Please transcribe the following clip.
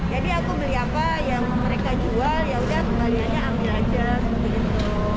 jadi aku beli apa yang mereka jual yaudah kembaliannya ambil aja seperti gitu